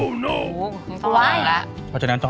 แม่บ้านประจันบัน